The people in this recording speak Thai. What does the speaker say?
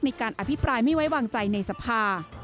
ในการอภิปรายไม่ไว้วางใจในสภา